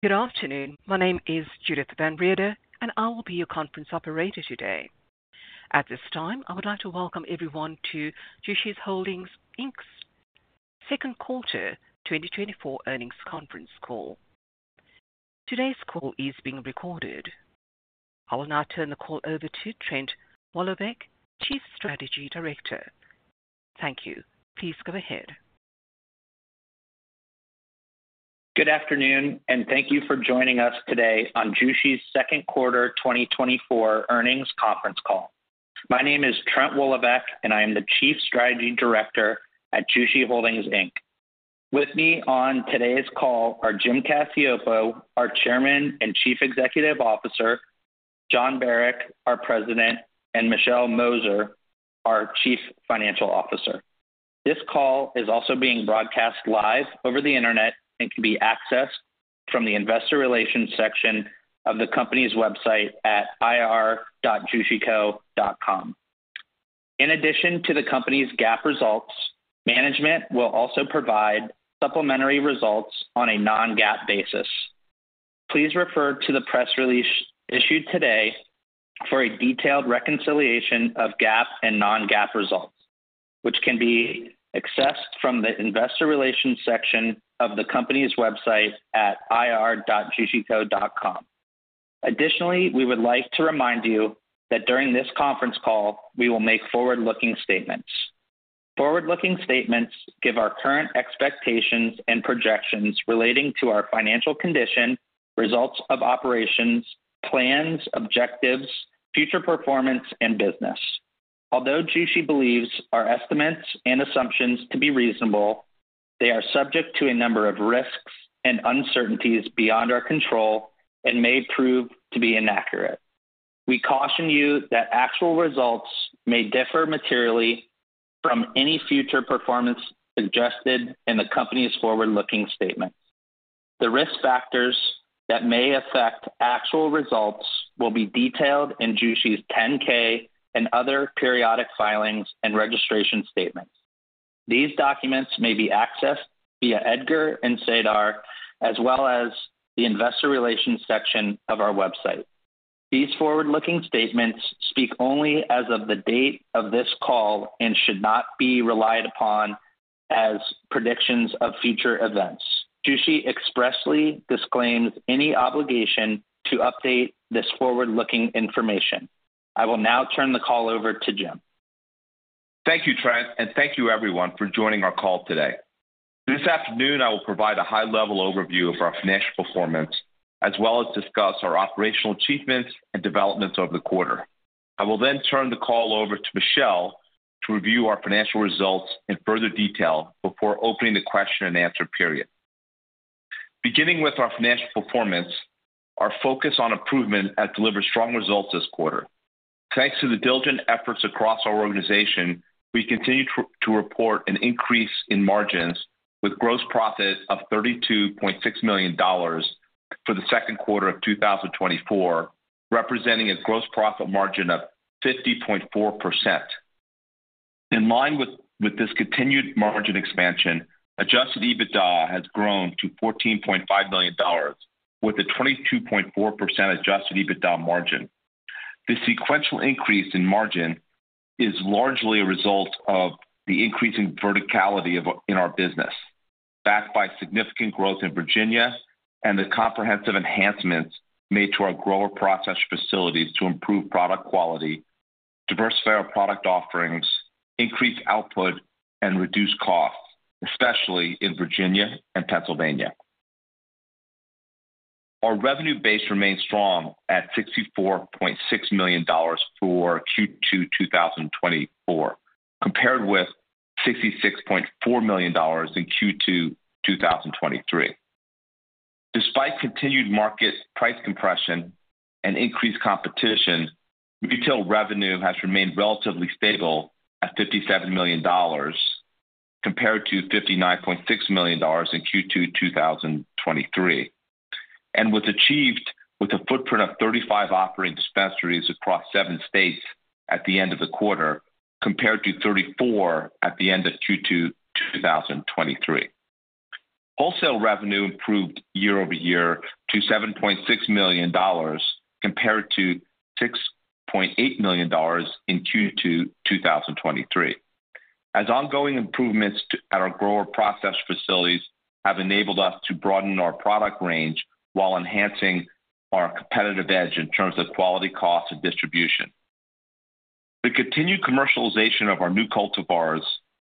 Good afternoon. My name is Judith Van Ridder, and I will be your conference operator today. At this time, I would like to welcome everyone to Jushi Holdings Inc's second quarter 2024 earnings conference call. Today's call is being recorded. I will now turn the call over to Trent Woloveck, Chief Strategy Director. Thank you. Please go ahead. Good afternoon, and thank you for joining us today on Jushi's second quarter 2024 earnings conference call. My name is Trent Woloveck, and I am the Chief Strategy Director at Jushi Holdings Inc. With me on today's call are Jim Cacioppo, our Chairman and Chief Executive Officer, Jon Barack, our President, and Michelle Mosier, our Chief Financial Officer. This call is also being broadcast live over the internet and can be accessed from the investor relations section of the company's website at ir.jushico.com. In addition to the company's GAAP results, management will also provide supplementary results on a non-GAAP basis. Please refer to the press release issued today for a detailed reconciliation of GAAP and non-GAAP results, which can be accessed from the investor relations section of the company's website at ir.jushico.com. Additionally, we would like to remind you that during this conference call, we will make forward-looking statements. Forward-looking statements give our current expectations and projections relating to our financial condition, results of operations, plans, objectives, future performance, and business. Although Jushi believes our estimates and assumptions to be reasonable, they are subject to a number of risks and uncertainties beyond our control and may prove to be inaccurate. We caution you that actual results may differ materially from any future performance suggested in the company's forward-looking statements. The risk factors that may affect actual results will be detailed in Jushi's 10-K and other periodic filings and registration statements. These documents may be accessed via EDGAR and SEDAR+, as well as the investor relations section of our website. These forward-looking statements speak only as of the date of this call and should not be relied upon as predictions of future events. Jushi expressly disclaims any obligation to update this forward-looking information. I will now turn the call over to Jim. Thank you, Trent, and thank you, everyone, for joining our call today. This afternoon, I will provide a high-level overview of our financial performance, as well as discuss our operational achievements and developments over the quarter. I will then turn the call over to Michelle to review our financial results in further detail before opening the question and answer period. Beginning with our financial performance, our focus on improvement has delivered strong results this quarter. Thanks to the diligent efforts across our organization, we continue to report an increase in margins, with gross profit of $32.6 million for the second quarter of 2024, representing a gross profit margin of 50.4%. In line with this continued margin expansion, adjusted EBITDA has grown to $14.5 million, with a 22.4% adjusted EBITDA margin. This sequential increase in margin is largely a result of the increasing verticality in our business, backed by significant growth in Virginia and the comprehensive enhancements made to our grower processor facilities to improve product quality, diversify our product offerings, increase output, and reduce costs, especially in Virginia and Pennsylvania. Our revenue base remains strong at $64.6 million for Q2 2024, compared with $66.4 million in Q2 2023. Despite continued market price compression and increased competition, retail revenue has remained relatively stable at $57 million, compared to $59.6 million in Q2 2023, and was achieved with a footprint of 35 operating dispensaries across seven states at the end of the quarter, compared to 34 at the end of Q2 2023. Wholesale revenue improved year-over-year to $7.6 million, compared to $6.8 million in Q2 2023, as ongoing improvements at our grower processor facilities have enabled us to broaden our product range while enhancing our competitive edge in terms of quality, cost, and distribution. The continued commercialization of our new cultivars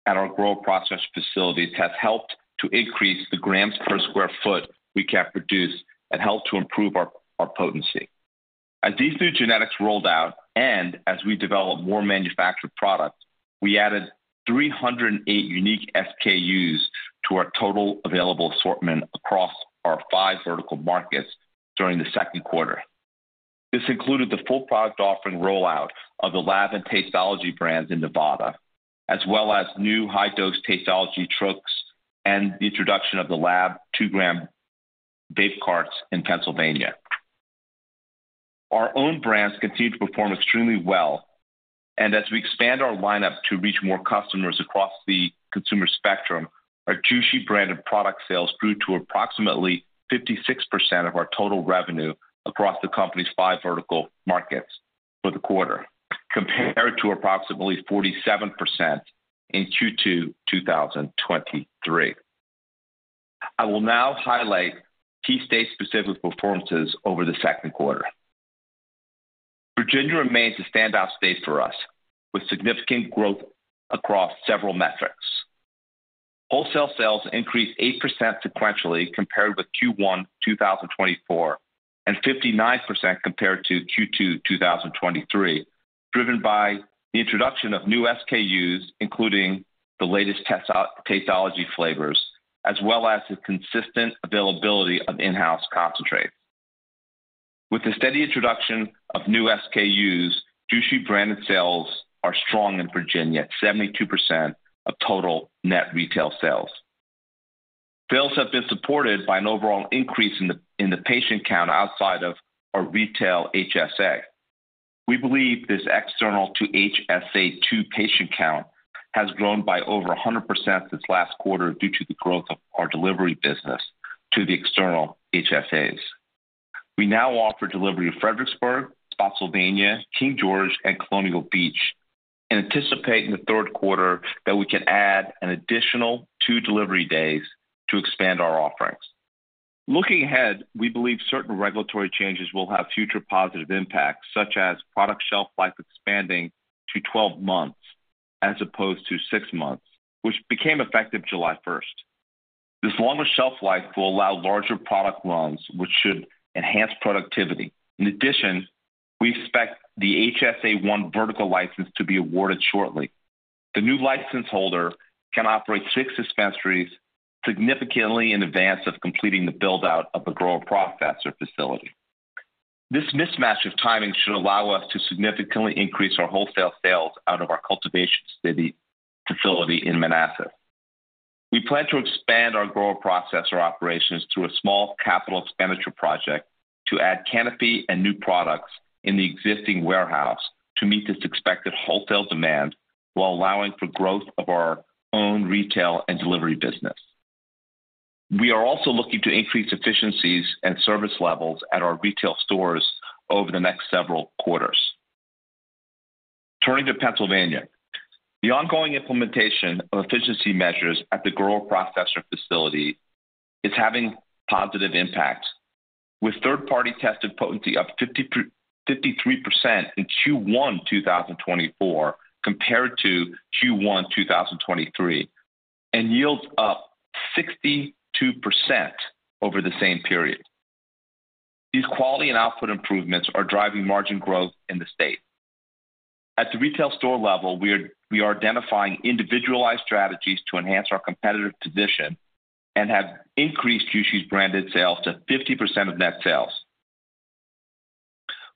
at our grower processor facilities has helped to increase the grams per square foot we can produce and helped to improve our potency. As these new genetics rolled out and as we developed more manufactured products, we added 308 unique SKUs to our total available assortment across our five vertical markets during the second quarter. This included the full product offering rollout of The Lab and Tasteology brands in Nevada, as well as new high-dose Tasteology troches and the introduction of The Lab 2-gram vape carts in Pennsylvania. Our own brands continue to perform extremely well, and as we expand our lineup to reach more customers across the consumer spectrum, our Jushi branded product sales grew to approximately 56% of our total revenue across the company's five vertical markets for the quarter, compared to approximately 47% in Q2 2023. I will now highlight key state-specific performances over the second quarter. Virginia remains a standout state for us, with significant growth across several metrics. Wholesale sales increased 8% sequentially compared with Q1 2024 and 59% compared to Q2 2023, driven by the introduction of new SKUs, including the latest Tasteology flavors, as well as the consistent availability of in-house concentrates. With the steady introduction of new SKUs, Jushi branded sales are strong in Virginia at 72% of total net retail sales. Sales have been supported by an overall increase in the patient count outside of our retail HSA. We believe this external to HSA II patient count has grown by over 100% this last quarter due to the growth of our delivery business to the external HSAs. We now offer delivery to Fredericksburg, Spotsylvania, King George, and Colonial Beach, and anticipate in the third quarter that we can add an additional 2 delivery days to expand our offerings. Looking ahead, we believe certain regulatory changes will have future positive impacts, such as product shelf life expanding to 12 months as opposed to 6 months, which became effective July 1st. This longer shelf life will allow larger product runs, which should enhance productivity. In addition, we expect the HSA I vertical license to be awarded shortly. The new license holder can operate 6 dispensaries significantly in advance of completing the build-out of the grower processor facility. This mismatch of timing should allow us to significantly increase our wholesale sales out of our cultivation facility in Manassas. We plan to expand our grower processor operations through a small capital expenditure project to add canopy and new products in the existing warehouse to meet this expected wholesale demand while allowing for growth of our own retail and delivery business. We are also looking to increase efficiencies and service levels at our retail stores over the next several quarters. Turning to Pennsylvania, the ongoing implementation of efficiency measures at the grower processor facility is having positive impacts, with third-party tested potency up 53% in Q1 2024 compared to Q1 2023, and yields up 62% over the same period. These quality and output improvements are driving margin growth in the state. At the retail store level, we are identifying individualized strategies to enhance our competitive position and have increased Jushi's branded sales to 50% of net sales.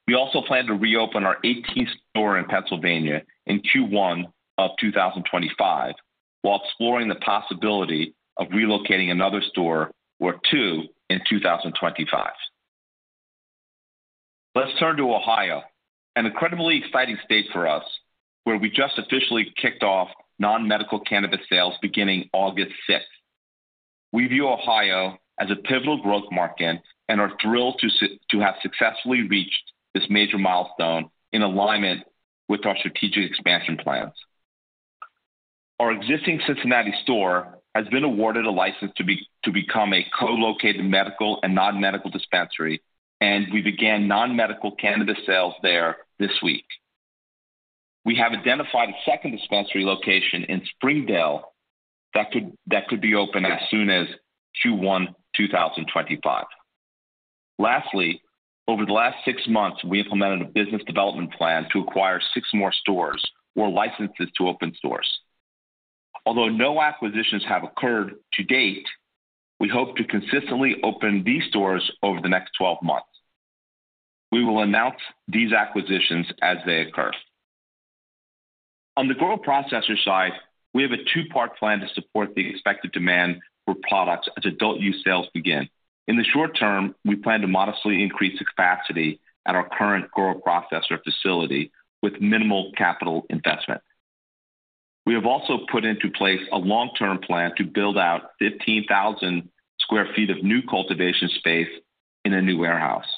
We also plan to reopen our 18th store in Pennsylvania in Q1 of 2025, while exploring the possibility of relocating another store or two in 2025. Let's turn to Ohio, an incredibly exciting state for us, where we just officially kicked off non-medical cannabis sales beginning August 6th. We view Ohio as a pivotal growth market and are thrilled to have successfully reached this major milestone in alignment with our strategic expansion plans. Our existing Cincinnati store has been awarded a license to become a co-located medical and non-medical dispensary, and we began non-medical cannabis sales there this week. We have identified a second dispensary location in Springdale that could be open as soon as Q1 2025. Lastly, over the last six months, we implemented a business development plan to acquire six more stores or licenses to open stores. Although no acquisitions have occurred to date, we hope to consistently open these stores over the next 12 months. We will announce these acquisitions as they occur. On the grower processor side, we have a two-part plan to support the expected demand for products as adult use sales begin. In the short term, we plan to modestly increase capacity at our current grower processor facility with minimal capital investment. We have also put into place a long-term plan to build out 15,000 square feet of new cultivation space in a new warehouse.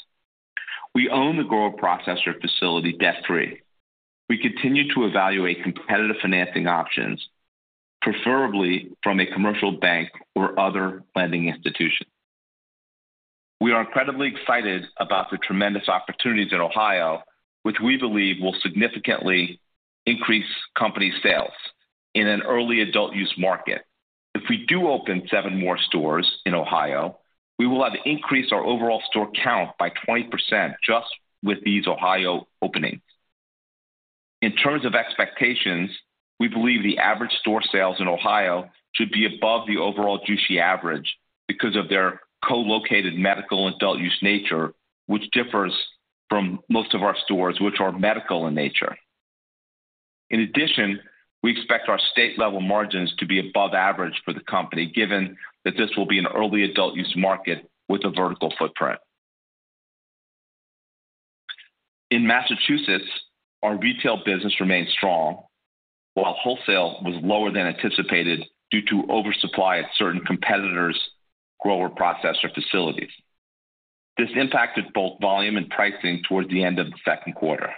We own the grower processor facility debt-free. We continue to evaluate competitive financing options, preferably from a commercial bank or other lending institution. We are incredibly excited about the tremendous opportunities in Ohio, which we believe will significantly increase company sales in an early adult use market. If we do open seven more stores in Ohio, we will have increased our overall store count by 20% just with these Ohio openings. In terms of expectations, we believe the average store sales in Ohio should be above the overall Jushi average because of their co-located medical and adult use nature, which differs from most of our stores, which are medical in nature. In addition, we expect our state-level margins to be above average for the company, given that this will be an early adult use market with a vertical footprint. In Massachusetts, our retail business remains strong, while wholesale was lower than anticipated due to oversupply at certain competitors' grower processor facilities. This impacted both volume and pricing towards the end of the second quarter.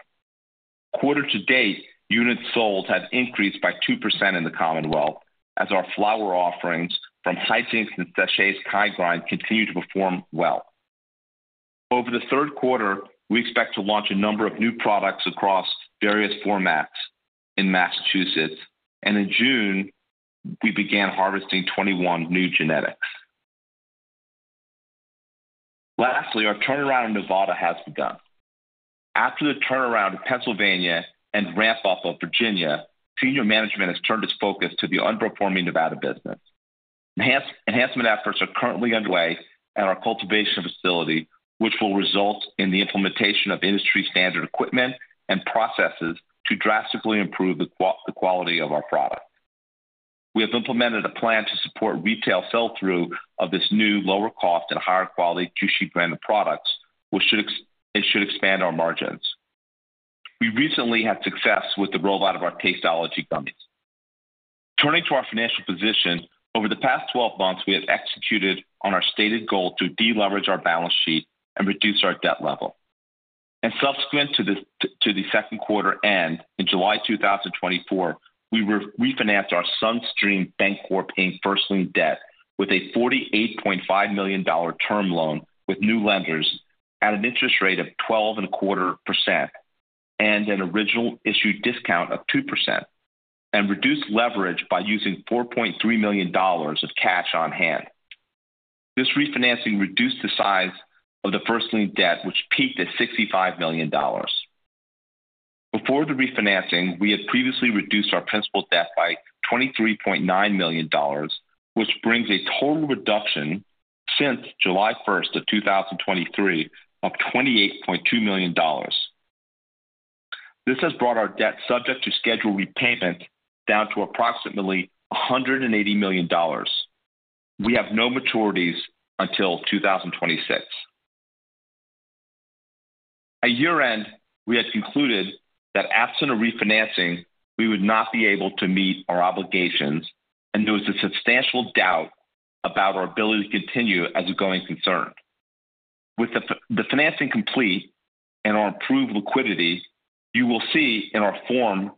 Quarter to date, units sold have increased by 2% in the Commonwealth, as our flower offerings from Hijinks and Seche Kind Grind continue to perform well. Over the third quarter, we expect to launch a number of new products across various formats in Massachusetts, and in June, we began harvesting 21 new genetics. Lastly, our turnaround in Nevada has begun. After the turnaround in Pennsylvania and ramp-up of Virginia, senior management has turned its focus to the underperforming Nevada business. Enhancement efforts are currently underway at our cultivation facility, which will result in the implementation of industry-standard equipment and processes to drastically improve the quality of our product. We have implemented a plan to support retail sell-through of this new lower-cost and higher-quality Jushi branded products, which should expand our margins. We recently had success with the rollout of our Tasteology gummies. Turning to our financial position, over the past 12 months, we have executed on our stated goal to deleverage our balance sheet and reduce our debt level. Subsequent to the second quarter end in July 2024, we refinanced our Sunstream Bancorp first-lien debt with a $48.5 million term loan with new lenders at an interest rate of 12.25% and an original issue discount of 2%, and reduced leverage by using $4.3 million of cash on hand. This refinancing reduced the size of the first-lien debt, which peaked at $65 million. Before the refinancing, we had previously reduced our principal debt by $23.9 million, which brings a total reduction since July 1st of 2023 of $28.2 million. This has brought our debt subject to schedule repayment down to approximately $180 million. We have no maturities until 2026. At year-end, we had concluded that absent a refinancing, we would not be able to meet our obligations, and there was a substantial doubt about our ability to continue as a going concern. With the financing complete and our improved liquidity, you will see in our Form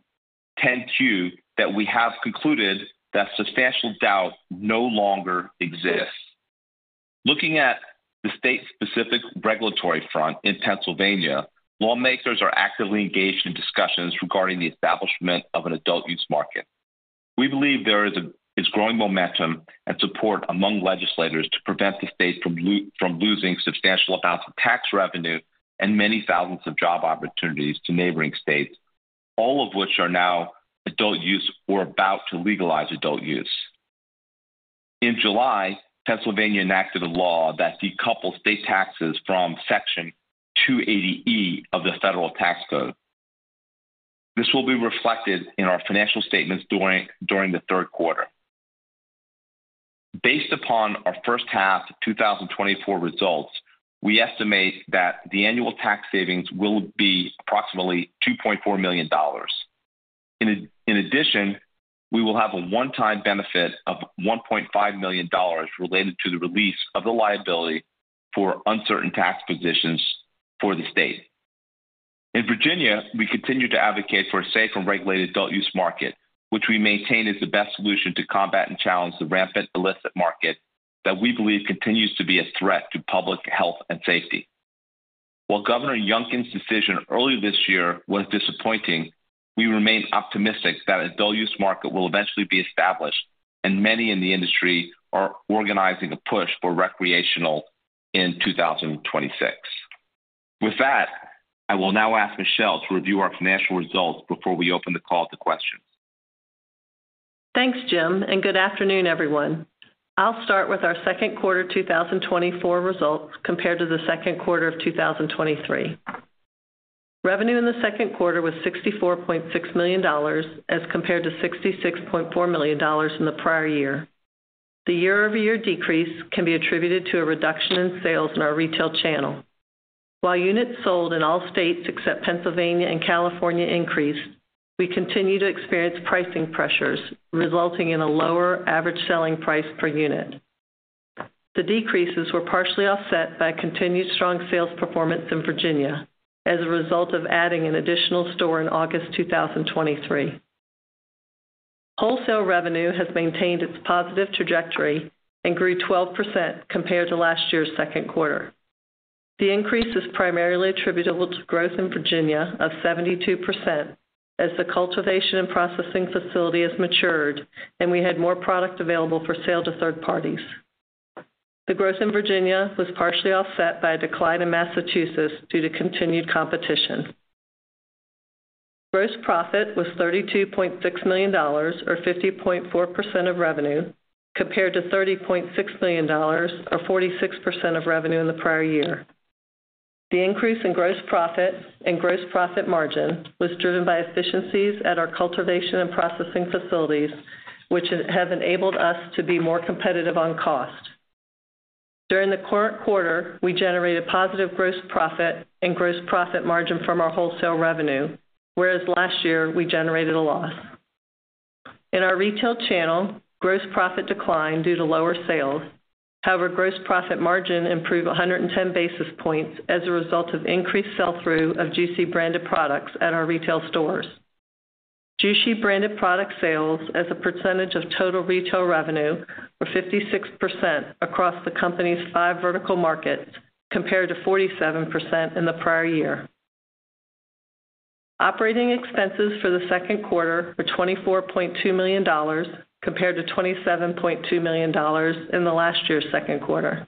10-Q that we have concluded that substantial doubt no longer exists. Looking at the state-specific regulatory front in Pennsylvania, lawmakers are actively engaged in discussions regarding the establishment of an adult use market. We believe there is growing momentum and support among legislators to prevent the state from losing substantial amounts of tax revenue and many thousands of job opportunities to neighboring states, all of which are now adult use or about to legalize adult use. In July, Pennsylvania enacted a law that decouples state taxes from Section 280E of the federal tax code. This will be reflected in our financial statements during the third quarter. Based upon our first half 2024 results, we estimate that the annual tax savings will be approximately $2.4 million. In addition, we will have a one-time benefit of $1.5 million related to the release of the liability for uncertain tax positions for the state. In Virginia, we continue to advocate for a safe and regulated adult use market, which we maintain is the best solution to combat and challenge the rampant illicit market that we believe continues to be a threat to public health and safety. While Governor Youngkin's decision earlier this year was disappointing, we remain optimistic that an adult use market will eventually be established, and many in the industry are organizing a push for recreational in 2026. With that, I will now ask Michelle to review our financial results before we open the call to questions. Thanks, Jim, and good afternoon, everyone. I'll start with our second quarter 2024 results compared to the second quarter of 2023. Revenue in the second quarter was $64.6 million as compared to $66.4 million in the prior year. The year-over-year decrease can be attributed to a reduction in sales in our retail channel. While units sold in all states except Pennsylvania and California increased, we continue to experience pricing pressures, resulting in a lower average selling price per unit. The decreases were partially offset by continued strong sales performance in Virginia as a result of adding an additional store in August 2023. Wholesale revenue has maintained its positive trajectory and grew 12% compared to last year's second quarter. The increase is primarily attributable to growth in Virginia of 72% as the cultivation and processing facility has matured and we had more product available for sale to third parties. The growth in Virginia was partially offset by a decline in Massachusetts due to continued competition. Gross profit was $32.6 million or 50.4% of revenue compared to $30.6 million or 46% of revenue in the prior year. The increase in gross profit and gross profit margin was driven by efficiencies at our cultivation and processing facilities, which have enabled us to be more competitive on cost. During the current quarter, we generated positive gross profit and gross profit margin from our wholesale revenue, whereas last year we generated a loss. In our retail channel, gross profit declined due to lower sales. However, gross profit margin improved 110 basis points as a result of increased sell-through of Jushi branded products at our retail stores. Jushi branded product sales as a percentage of total retail revenue were 56% across the company's five vertical markets compared to 47% in the prior year. Operating expenses for the second quarter were $24.2 million compared to $27.2 million in the last year's second quarter.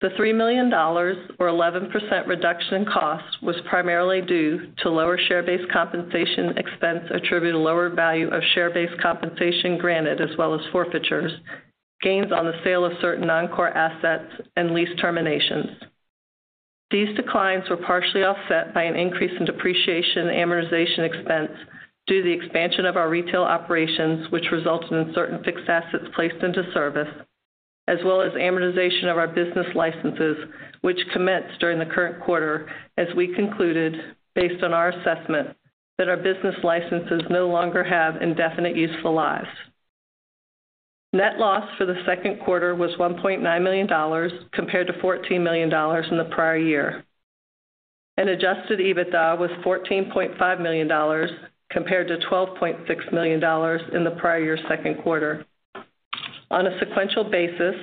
The $3 million or 11% reduction in cost was primarily due to lower share-based compensation expense attributed to lower value of share-based compensation granted as well as forfeitures, gains on the sale of certain non-core assets, and lease terminations. These declines were partially offset by an increase in depreciation and amortization expense due to the expansion of our retail operations, which resulted in certain fixed assets placed into service, as well as amortization of our business licenses, which commenced during the current quarter, as we concluded, based on our assessment, that our business licenses no longer have indefinite useful lives. Net loss for the second quarter was $1.9 million compared to $14 million in the prior year. Adjusted EBITDA was $14.5 million compared to $12.6 million in the prior year's second quarter. On a sequential basis,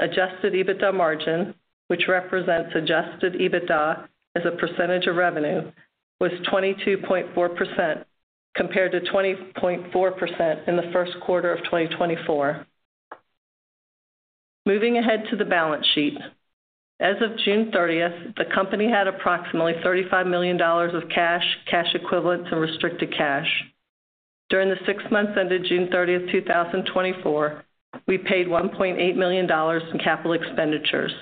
Adjusted EBITDA margin, which represents Adjusted EBITDA as a percentage of revenue, was 22.4% compared to 20.4% in the first quarter of 2024. Moving ahead to the balance sheet. As of June 30th, the company had approximately $35 million of cash, cash equivalents, and restricted cash. During the six months ended June 30th, 2024, we paid $1.8 million in capital expenditures.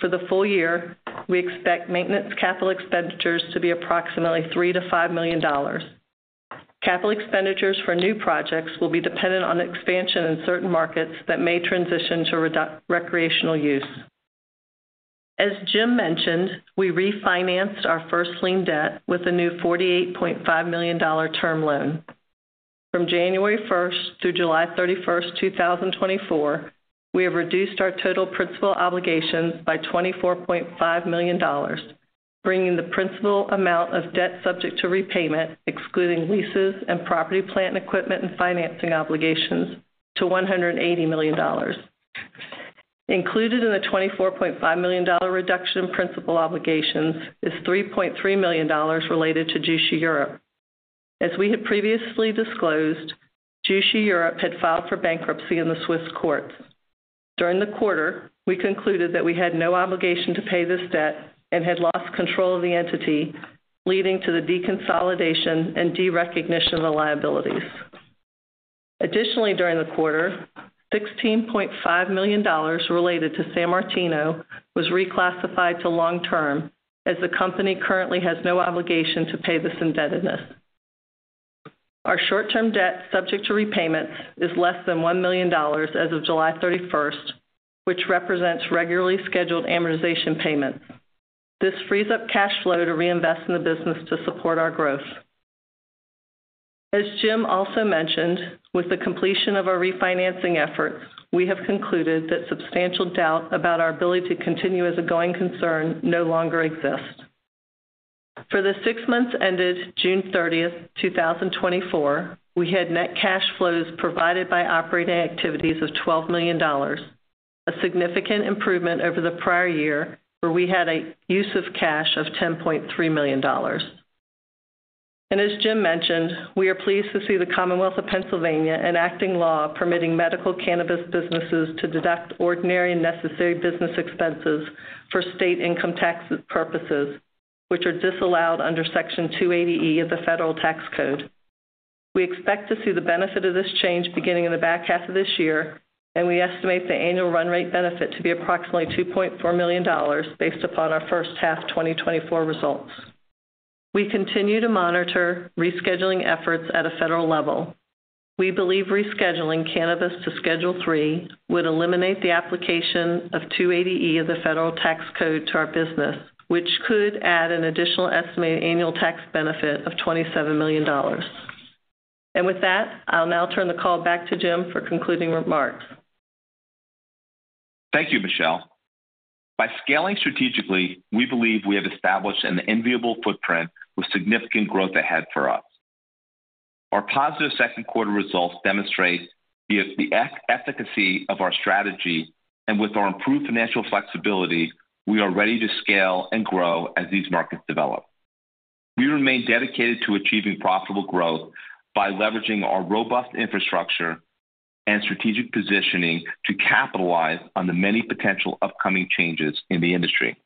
For the full year, we expect maintenance capital expenditures to be approximately $3 million-$5 million. Capital expenditures for new projects will be dependent on expansion in certain markets that may transition to recreational use. As Jim mentioned, we refinanced our first lien debt with a new $48.5 million term loan. From January 1st through July 31st, 2024, we have reduced our total principal obligations by $24.5 million, bringing the principal amount of debt subject to repayment, excluding leases and property, plant and equipment and financing obligations, to $180 million. Included in the $24.5 million reduction in principal obligations is $3.3 million related to Jushi Europe. As we had previously disclosed, Jushi Europe had filed for bankruptcy in the Swiss courts. During the quarter, we concluded that we had no obligation to pay this debt and had lost control of the entity, leading to the deconsolidation and derecognition of the liabilities. Additionally, during the quarter, $16.5 million related to San Martino was reclassified to long-term as the company currently has no obligation to pay this indebtedness. Our short-term debt subject to repayments is less than $1 million as of July 31st, which represents regularly scheduled amortization payments. This frees up cash flow to reinvest in the business to support our growth. As Jim also mentioned, with the completion of our refinancing efforts, we have concluded that substantial doubt about our ability to continue as a going concern no longer exists. For the six months ended June 30th, 2024, we had net cash flows provided by operating activities of $12 million, a significant improvement over the prior year where we had a use of cash of $10.3 million. As Jim mentioned, we are pleased to see the Commonwealth of Pennsylvania enacting law permitting medical cannabis businesses to deduct ordinary and necessary business expenses for state income tax purposes, which are disallowed under Section 280E of the federal tax code. We expect to see the benefit of this change beginning in the back half of this year, and we estimate the annual run rate benefit to be approximately $2.4 million based upon our first half 2024 results. We continue to monitor rescheduling efforts at a federal level. We believe rescheduling cannabis to Schedule III would eliminate the application of 280E of the federal tax code to our business, which could add an additional estimated annual tax benefit of $27 million. With that, I'll now turn the call back to Jim for concluding remarks. Thank you, Michelle. By scaling strategically, we believe we have established an enviable footprint with significant growth ahead for us. Our positive second quarter results demonstrate the efficacy of our strategy, and with our improved financial flexibility, we are ready to scale and grow as these markets develop. We remain dedicated to achieving profitable growth by leveraging our robust infrastructure and strategic positioning to capitalize on the many potential upcoming changes in the industry.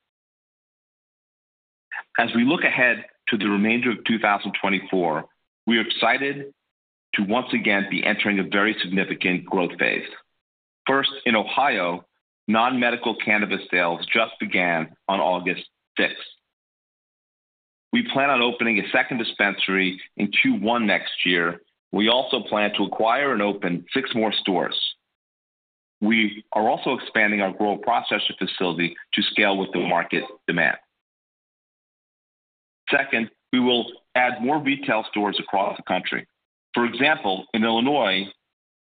As we look ahead to the remainder of 2024, we are excited to once again be entering a very significant growth phase. First, in Ohio, non-medical cannabis sales just began on August 6th. We plan on opening a second dispensary in Q1 next year. We also plan to acquire and open six more stores. We are also expanding our grower-processor facility to scale with the market demand. Second, we will add more retail stores across the country. For example, in Illinois,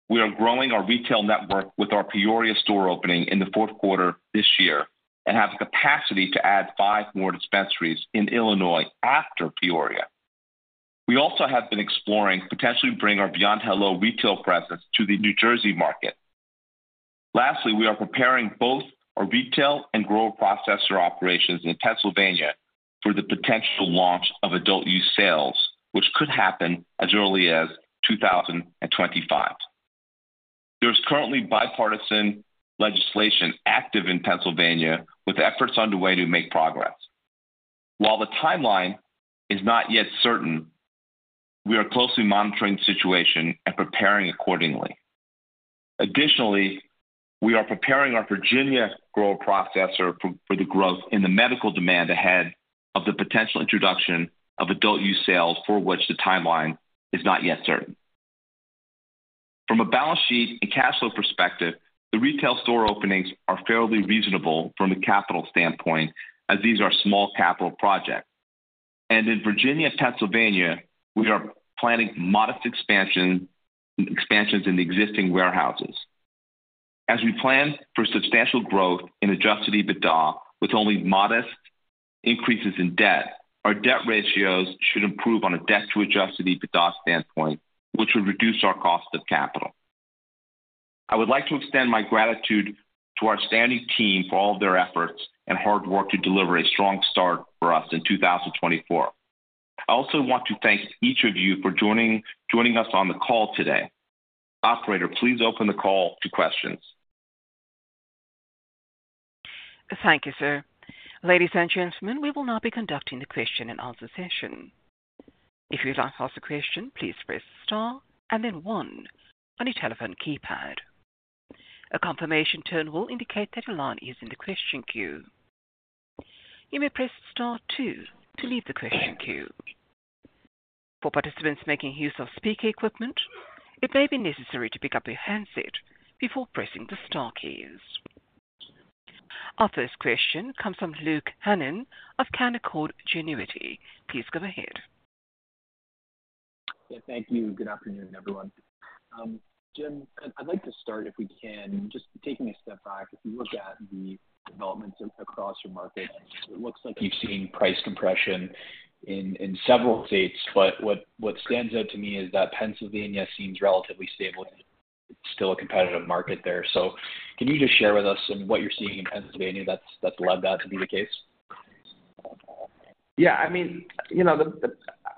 we are growing our retail network with our Peoria store opening in the fourth quarter this year and have the capacity to add five more dispensaries in Illinois after Peoria. We also have been exploring potentially bringing our Beyond Hello retail presence to the New Jersey market. Lastly, we are preparing both our retail and grower-processor operations in Pennsylvania for the potential launch of adult-use sales, which could happen as early as 2025. There is currently bipartisan legislation active in Pennsylvania with efforts underway to make progress. While the timeline is not yet certain, we are closely monitoring the situation and preparing accordingly. Additionally, we are preparing our Virginia grower processor for the growth in the medical demand ahead of the potential introduction of adult-use sales, for which the timeline is not yet certain. From a balance sheet and cash flow perspective, the retail store openings are fairly reasonable from a capital standpoint, as these are small capital projects. In Virginia and Pennsylvania, we are planning modest expansions in existing warehouses. As we plan for substantial growth in adjusted EBITDA with only modest increases in debt, our debt ratios should improve on a debt-to-adjusted EBITDA standpoint, which would reduce our cost of capital. I would like to extend my gratitude to our standing team for all of their efforts and hard work to deliver a strong start for us in 2024. I also want to thank each of you for joining us on the call today. Operator, please open the call to questions. Thank you, sir. Ladies and gentlemen, we will now be conducting the question-and-answer session. If you'd like to ask a question, please press Star and then One on your telephone keypad. A confirmation turn will indicate that your line is in the question queue. You may press Star Two to leave the question queue. For participants making use of speaker equipment, it may be necessary to pick up your handset before pressing the Star keys. Our first question comes from Luke Hannan of Canaccord Genuity. Please go ahead. Thank you. Good afternoon, everyone. Jim, I'd like to start, if we can, just taking a step back. If you look at the developments across your market, it looks like you've seen price compression in several states, but what stands out to me is that Pennsylvania seems relatively stable. It's still a competitive market there. So can you just share with us what you're seeing in Pennsylvania that's led that to be the case? Yeah. I mean,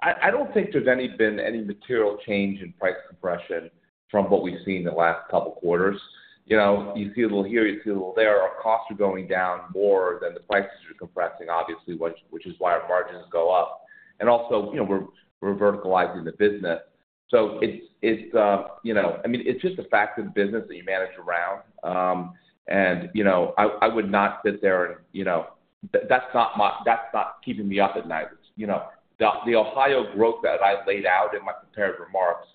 I don't think there's been any material change in price compression from what we've seen the last couple of quarters. You see a little here, you see a little there. Our costs are going down more than the prices are compressing, obviously, which is why our margins go up. And also, we're verticalizing the business. So I mean, it's just the fact of the business that you manage around. And I would not sit there and that's not keeping me up at night. The Ohio growth that I laid out in my comparative remarks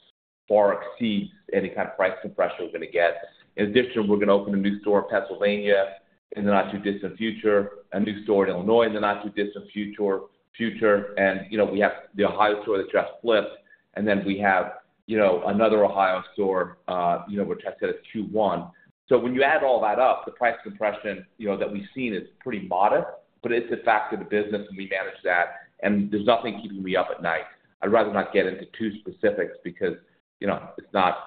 far exceeds any kind of price compression we're going to get. In addition, we're going to open a new store in Pennsylvania in the not-too-distant future, a new store in Illinois in the not-too-distant future. We have the Ohio store that just flipped, and then we have another Ohio store which I said is Q1. When you add all that up, the price compression that we've seen is pretty modest, but it's the fact of the business and we manage that. There's nothing keeping me up at night. I'd rather not get into too specifics because it's not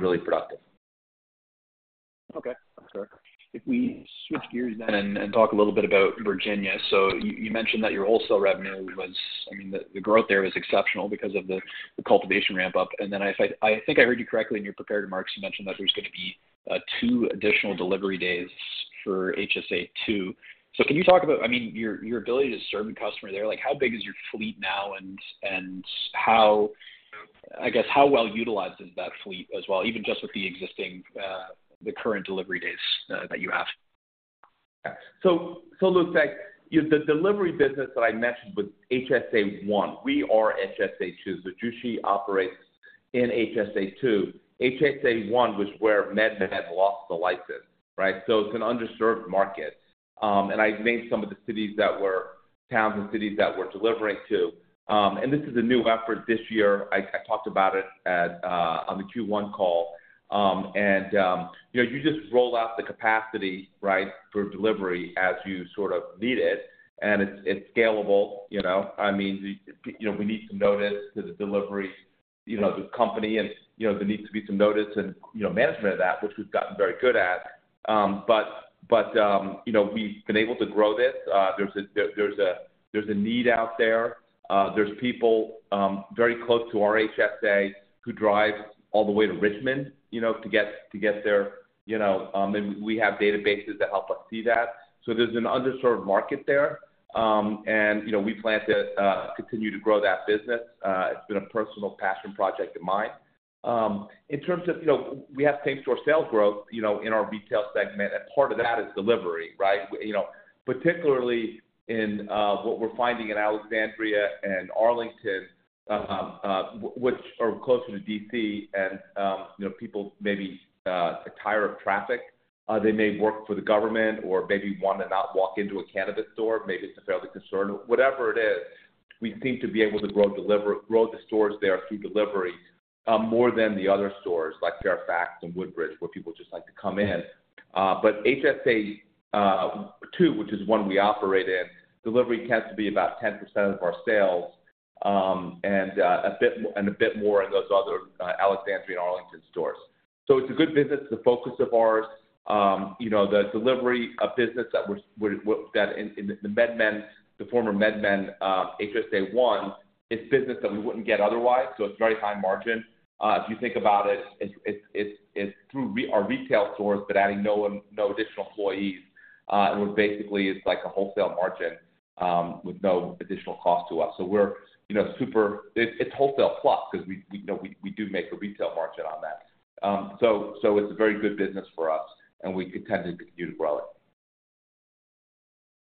really productive. Okay. That's fair. If we switch gears then and talk a little bit about Virginia. You mentioned that your wholesale revenue was, I mean, the growth there was exceptional because of the cultivation ramp-up. Then I think I heard you correctly in your preparatory remarks. You mentioned that there's going to be two additional delivery days for HSA II. So can you talk about, I mean, your ability to serve your customer there? How big is your fleet now, and I guess how well utilized is that fleet as well, even just with the current delivery days that you have? So look, the delivery business that I mentioned with HSA I, we are HSA II. So Jushi operates in HSA II. HSA I was where MedMen lost the license, right? So it's an underserved market. And I named some of the cities that were towns and cities that we're delivering to. And this is a new effort this year. I talked about it on the Q1 call. And you just roll out the capacity, right, for delivery as you sort of need it. And it's scalable. I mean, we need some notice to the delivery company. And there needs to be some notice and management of that, which we've gotten very good at. But we've been able to grow this. There's a need out there. There's people very close to our HSA who drive all the way to Richmond to get their—and we have databases that help us see that. So there's an underserved market there. And we plan to continue to grow that business. It's been a personal passion project of mine. In terms of we have same-store sales growth in our retail segment, and part of that is delivery, right? Particularly in what we're finding in Alexandria and Arlington, which are closer to D.C., and people may be tired of traffic. They may work for the government or maybe want to not walk into a cannabis store. Maybe it's a fair concern. Whatever it is, we seem to be able to grow the stores there through delivery more than the other stores like Fairfax and Woodbridge, where people just like to come in. But HSA II, which is one we operate in, delivery tends to be about 10% of our sales and a bit more in those other Alexandria and Arlington stores. So it's a good business, the focus of ours. The delivery business that the former MedMen HSA I is business that we wouldn't get otherwise. So it's very high margin. If you think about it, it's through our retail stores but adding no additional employees. And basically, it's like a wholesale margin with no additional cost to us. So it's wholesale plus because we do make a retail margin on that. So it's a very good business for us, and we tend to continue to grow it.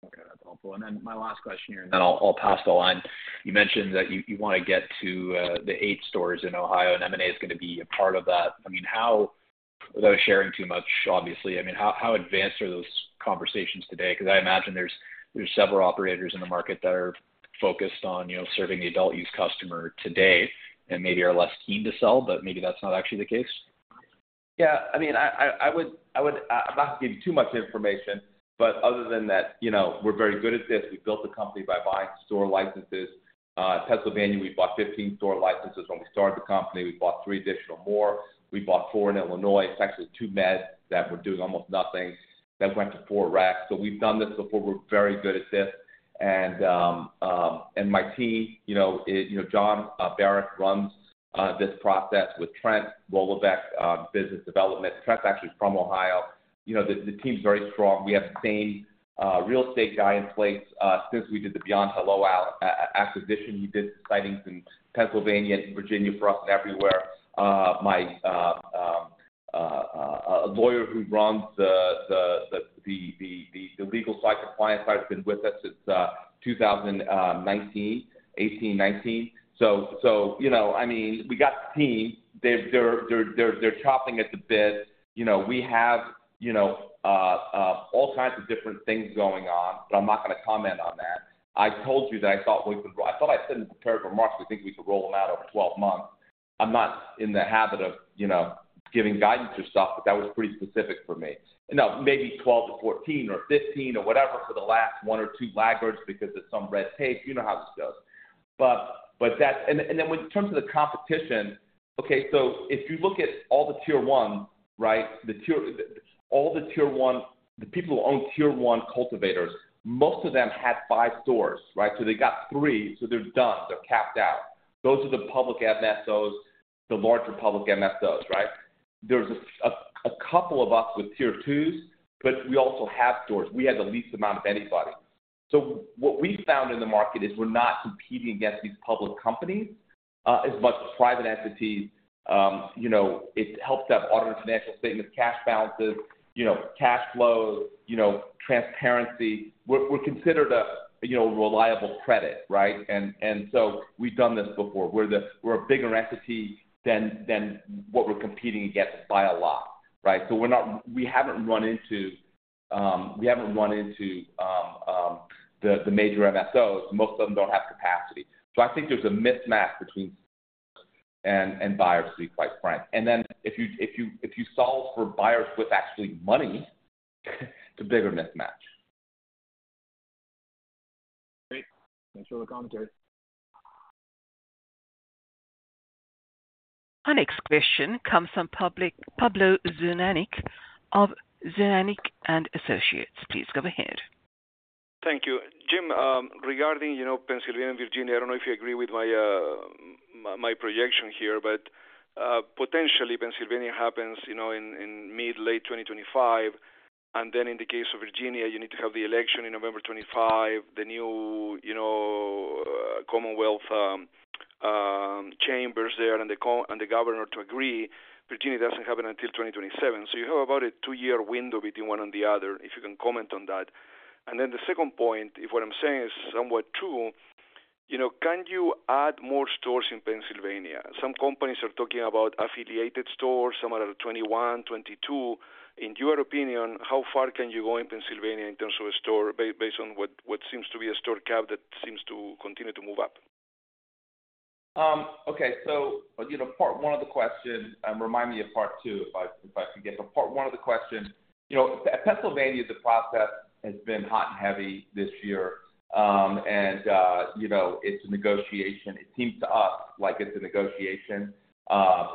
Okay. That's helpful. And then my last question here, and then I'll pass the line. You mentioned that you want to get to the 8 stores in Ohio, and M&A is going to be a part of that. I mean, without sharing too much, obviously, I mean, how advanced are those conversations today? Because I imagine there's several operators in the market that are focused on serving the adult use customer today and maybe are less keen to sell, but maybe that's not actually the case. Yeah. I mean, I would not give you too much information, but other than that, we're very good at this. We built the company by buying store licenses. Pennsylvania, we bought 15 store licenses when we started the company. We bought 3 additional. We bought four in Illinois. It's actually two meds that were doing almost nothing that went to four recs. So we've done this before. We're very good at this. And my team, Jon Barack, runs this process with Trent Woloveck, business development. Trent's actually from Ohio. The team's very strong. We have the same real estate guy in place since we did the Beyond Hello acquisition. He did the sitings in Pennsylvania and Virginia for us and everywhere. My lawyer who runs the legal side compliance side has been with us since 2018, 2019. So I mean, we got the team. They're chomping at the bit. We have all kinds of different things going on, but I'm not going to comment on that. I told you that I thought we could, I thought I said in the prepared remarks we think we could roll them out over 12 months. I'm not in the habit of giving guidance or stuff, but that was pretty specific for me. Maybe 12-14 or 15 or whatever for the last one or two laggards because of some red tape. You know how this goes. And then in terms of the competition, okay, so if you look at all the tier ones, right, all the tier one - the people who own tier one cultivators, most of them had 5 stores, right? So they got 3. So they're done. They're capped out. Those are the public MSOs, the larger public MSOs, right? There's a couple of us with tier twos, but we also have stores. We have the least amount of anybody. So what we found in the market is we're not competing against these public companies as much as private entities. It helps to have audited financial statements, cash balances, cash flows, transparency. We're considered a reliable credit, right? And so we've done this before. We're a bigger entity than what we're competing against by a lot, right? So we haven't run into—we haven't run into the major MSOs. Most of them don't have capacity. So I think there's a mismatch between sellers and buyers, to be quite frank. And then if you solve for buyers with actually money, it's a bigger mismatch. Great. Thanks for the commentary. Our next question comes from Pablo Zuanic of Zuanic & Associates. Please go ahead. Thank you. Jim, regarding Pennsylvania and Virginia, I don't know if you agree with my projection here, but potentially Pennsylvania happens in mid-late 2025. And then in the case of Virginia, you need to have the election in November 2025, the new Commonwealth chambers there, and the governor to agree. Virginia doesn't happen until 2027. So you have about a two-year window between one and the other, if you can comment on that. And then the second point, if what I'm saying is somewhat true, can you add more stores in Pennsylvania? Some companies are talking about affiliated stores. Some are at 21, 22. In your opinion, how far can you go in Pennsylvania in terms of a store based on what seems to be a store cap that seems to continue to move up? Okay. So part one of the question, and remind me of part two if I forget. But part one of the question, Pennsylvania, the process has been hot and heavy this year. And it's a negotiation. It seems to us like it's a negotiation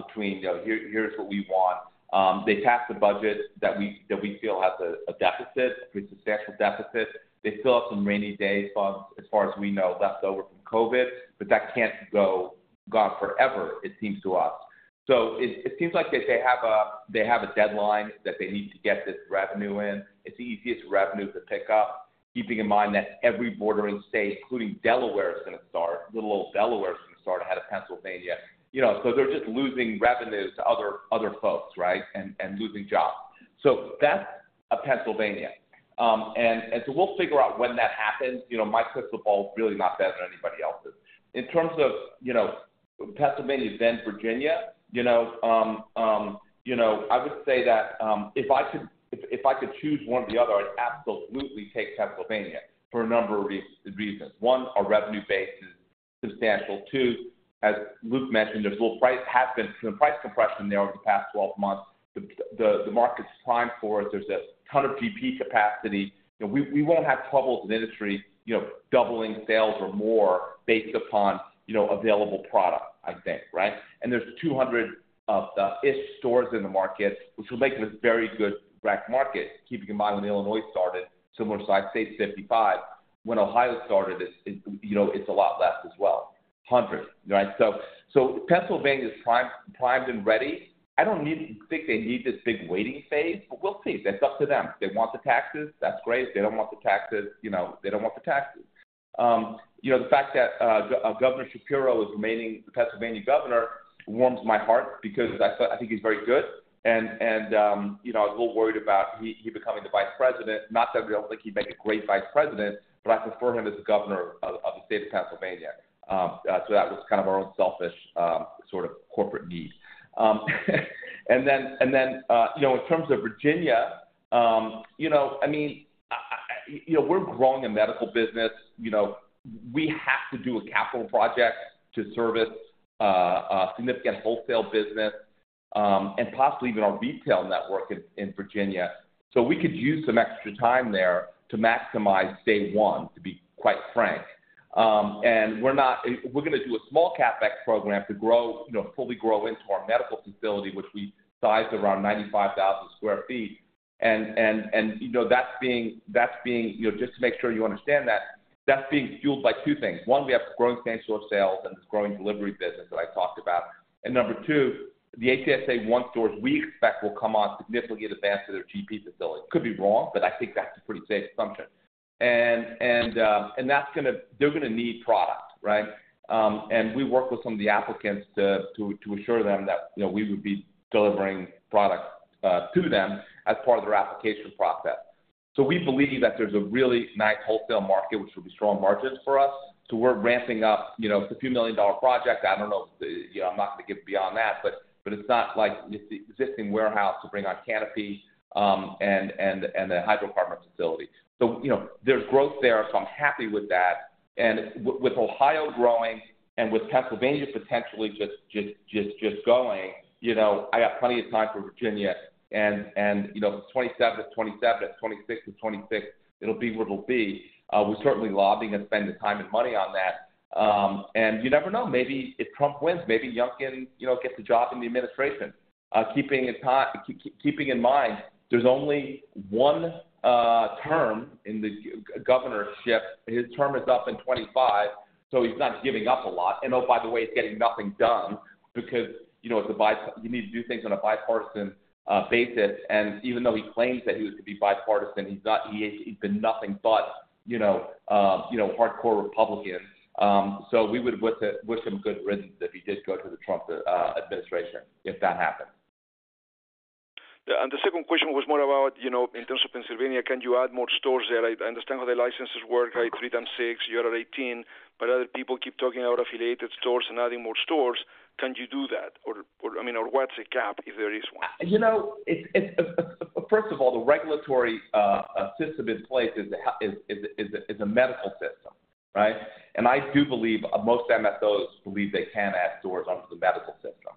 between, "Here's what we want." They passed a budget that we feel has a deficit, a pretty substantial deficit. They still have some rainy day funds, as far as we know, left over from COVID, but that can't go on forever, it seems to us. So it seems like they have a deadline that they need to get this revenue in. It's the easiest revenue to pick up, keeping in mind that every bordering state, including Delaware, is going to start. Little old Delaware is going to start ahead of Pennsylvania. So they're just losing revenue to other folks, right, and losing jobs. So that's Pennsylvania. And so we'll figure out when that happens. My crystal ball is really not better than anybody else's. In terms of Pennsylvania, then Virginia, I would say that if I could choose one or the other, I'd absolutely take Pennsylvania for a number of reasons. One, our revenue base is substantial. Two, as Luke mentioned, there's been a little price compression there over the past 12 months. The market's primed for it. There's a ton of GP capacity. We won't have troubles in the industry doubling sales or more based upon available product, I think, right? And there's 200-ish stores in the market, which will make it a very good rec market, keeping in mind when Illinois started, similar size, say 55. When Ohio started, it's a lot less as well. 100, right? So Pennsylvania is primed and ready. I don't think they need this big waiting phase, but we'll see. That's up to them. If they want the taxes, that's great. If they don't want the taxes, they don't want the taxes. The fact that Governor Shapiro is remaining the Pennsylvania governor warms my heart because I think he's very good. I was a little worried about him becoming the vice president. Not that I don't think he'd make a great vice president, but I prefer him as the governor of the state of Pennsylvania. So that was kind of our own selfish sort of corporate need. And then in terms of Virginia, I mean, we're growing a medical business. We have to do a capital project to service a significant wholesale business and possibly even our retail network in Virginia. So we could use some extra time there to maximize day one, to be quite frank. And we're going to do a small CapEx program to fully grow into our medical facility, which we sized around 95,000 sq ft. And that's being—just to make sure you understand that—that's being fueled by two things. One, we have growing standstill sales and this growing delivery business that I talked about. And number two, the HSA I stores we expect will come on significant advance to their GP facility. Could be wrong, but I think that's a pretty safe assumption. And they're going to need product, right? And we work with some of the applicants to assure them that we would be delivering product to them as part of their application process. So we believe that there's a really nice wholesale market, which will be strong margins for us. So we're ramping up. It's a few million-dollar project. I don't know. I'm not going to get beyond that. But it's not like it's the existing warehouse to bring on canopy and the hydrocarbon facility. So there's growth there. So I'm happy with that. And with Ohio growing and with Pennsylvania potentially just going, I got plenty of time for Virginia. And from 27-27, 26-26, it'll be what it'll be. We're certainly lobbying to spend the time and money on that. And you never know. Maybe if Trump wins, maybe Youngkin gets a job in the administration. Keeping in mind, there's only one term in the governorship. His term is up in 2025. So he's not giving up a lot. And oh, by the way, he's getting nothing done because you need to do things on a bipartisan basis. And even though he claims that he was to be bipartisan, he's been nothing but hardcore Republican. So we would wish him good riddance if he did go to the Trump administration if that happens. Yeah. And the second question was more about, in terms of Pennsylvania, can you add more stores there? I understand how the licenses work, right? 3x6, you're at 18. Other people keep talking about affiliated stores and adding more stores. Can you do that? Or I mean, or what's the cap if there is one? First of all, the regulatory system in place is a medical system, right? And I do believe most MSOs believe they can add stores under the medical system.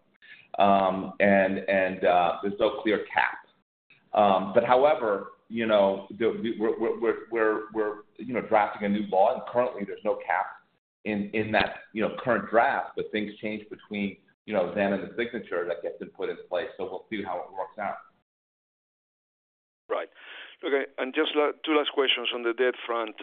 And there's no clear cap. But however, we're drafting a new law. And currently, there's no cap in that current draft, but things change between then and the signature that gets put in place. So we'll see how it works out. Right. Okay. And just two last questions on the debt front.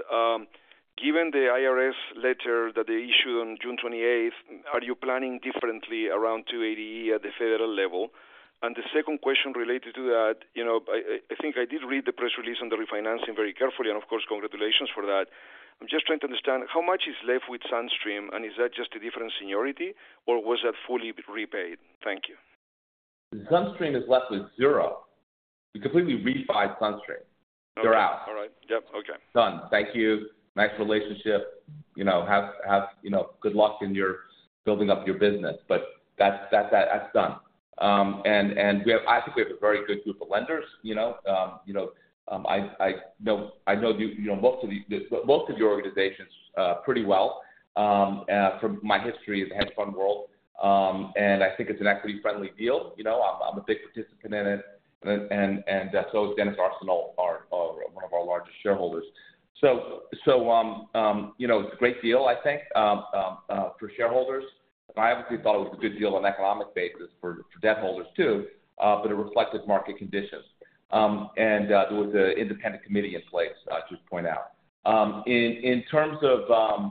Given the IRS letter that they issued on June 28th, are you planning differently around 280E at the federal level? And the second question related to that, I think I did read the press release on the refinancing very carefully. And of course, congratulations for that. I'm just trying to understand how much is left with Sunstream, and is that just a different seniority, or was that fully repaid? Thank you. Sunstream is left with zero. We completely refi Sunstream. They're out. All right. Yep. Okay. Done. Thank you. Nice relationship. Have good luck in building up your business. But that's done. And I think we have a very good group of lenders. I know most of your organizations pretty well from my history in the hedge fund world. And I think it's an equity-friendly deal. I'm a big participant in it. And so is Denis Arsenault, one of our largest shareholders. So it's a great deal, I think, for shareholders. And I obviously thought it was a good deal on an economic basis for debt holders too, but it reflected market conditions. And there was an independent committee in place, I should point out. In terms of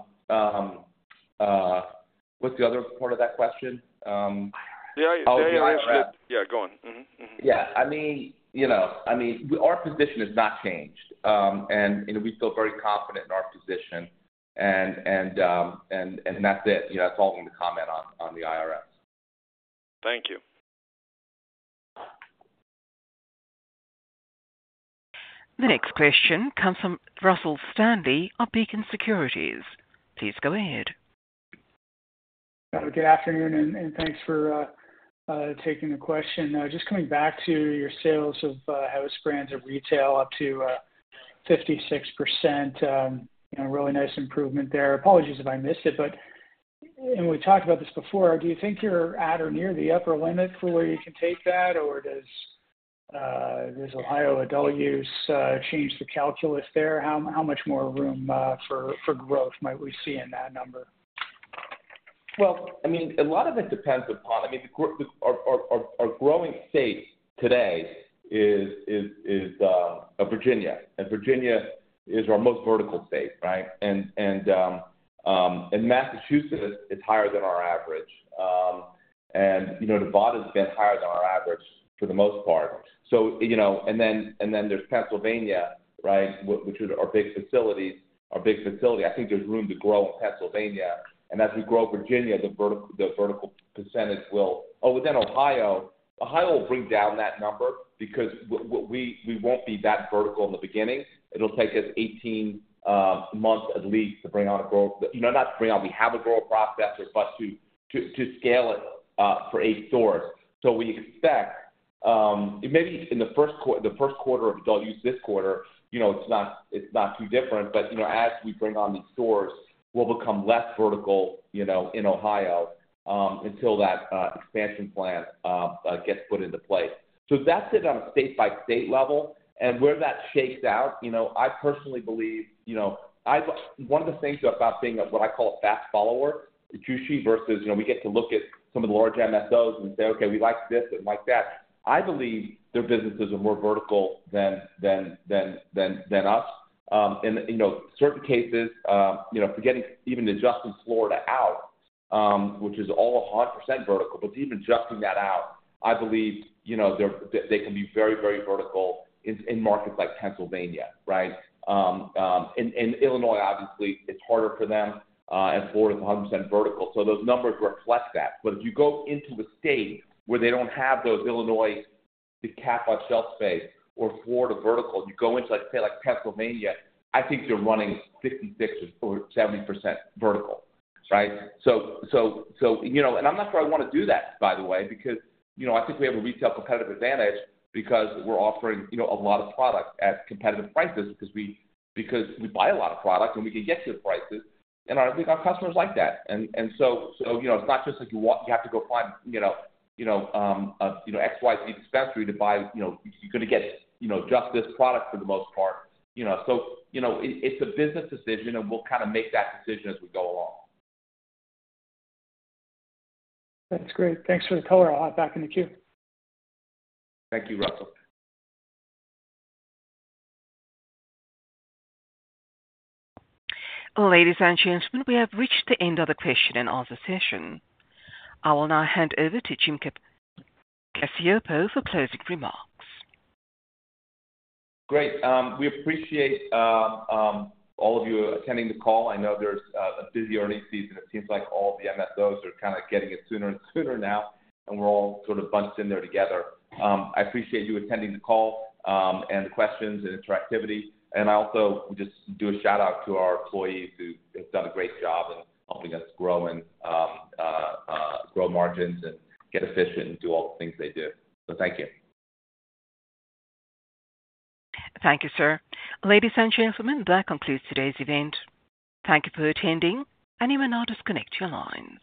what's the other part of that question? The IRS. Yeah. Go on. Yeah. I mean, our position has not changed. And we feel very confident in our position. And that's it. That's all I wanted to comment on the IRS. Thank you. The next question comes from Russell Stanley of Beacon Securities. Please go ahead. Good afternoon. And thanks for taking the question. Just coming back to your sales of house brands of retail up to 56%, a really nice improvement there. Apologies if I missed it. But we talked about this before. Do you think you're at or near the upper limit for where you can take that, or does Ohio at all use change the calculus there? How much more room for growth might we see in that number? Well, I mean, a lot of it depends upon. I mean, our growing state today is Virginia. And Virginia is our most vertical state, right? And Massachusetts is higher than our average. And Nevada's been higher than our average for the most part. And then there's Pennsylvania, right, which are our big facilities. I think there's room to grow in Pennsylvania. And as we grow Virginia, the vertical percentage will, oh, then Ohio will bring down that number because we won't be that vertical in the beginning. It'll take us 18 months at least to bring on a growth, not to bring on. We have a growth process, but to scale it for 8 stores. So we expect maybe in the first quarter of, don't use this quarter. It's not too different. But as we bring on these stores, we'll become less vertical in Ohio until that expansion plan gets put into place. That's it on a state-by-state level. Where that shakes out, I personally believe one of the things about being what I call a fast follower is Jushi versus we get to look at some of the large MSOs and say, "Okay, we like this and like that." I believe their businesses are more vertical than us. In certain cases, forgetting even adjusting Florida out, which is all 100% vertical, but even adjusting that out, I believe they can be very, very vertical in markets like Pennsylvania, right? In Illinois, obviously, it's harder for them. Florida's 100% vertical. Those numbers reflect that. But if you go into a state where they don't have those Illinois cap on shelf space or Florida vertical, you go into, say, Pennsylvania, I think you're running 56% or 70% vertical, right? So—and I'm not sure I want to do that, by the way, because I think we have a retail competitive advantage because we're offering a lot of product at competitive prices because we buy a lot of product and we can get good prices. And I think our customers like that. And so it's not just like you have to go find XYZ dispensary to buy—you're going to get just this product for the most part. So it's a business decision, and we'll kind of make that decision as we go along. That's great. Thanks for the color. I'll hop back into queue. Thank you, Russell. Well, ladies and gentlemen, we have reached the end of the question and answer session. I will now hand over to Jim Cacioppo for closing remarks. Great. We appreciate all of you attending the call. I know there's a busy earnings season. It seems like all the MSOs are kind of getting it sooner and sooner now, and we're all sort of bunched in there together. I appreciate you attending the call and the questions and interactivity. And I also would just do a shout-out to our employees who have done a great job in helping us grow and grow margins and get efficient and do all the things they do. So thank you. Thank you, sir. Ladies and gentlemen, that concludes today's event. Thank you for attending, and you may now disconnect your lines.